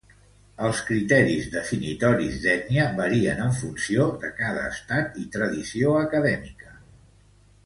Els criteris definitoris d'ètnia varien en funció de cada estat i tradició acadèmica.